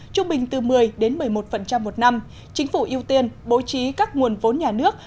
trung bình từ một mươi đến một mươi một một năm chính phủ ưu tiên bố trí các nguồn vốn nhà nước